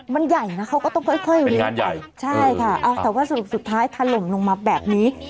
มันใหญ่นะเขาก็ต้องค่อยค่อยเป็นงานใหญ่ใช่ค่ะเอาแต่ว่าสรุปสุดท้ายถล่มลงมาแบบนี้